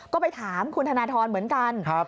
ก็ไปถามคุณธนทรเหมือนกัน